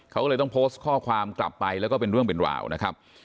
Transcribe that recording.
เขาก็เลยต้องโพสต์ข้อความกลับไปแล้วก็เป็นเรื่องเป็นราวนะครับ